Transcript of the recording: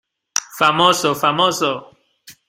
¡ famoso, famoso!...